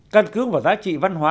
căn cứ và giá trị văn hóa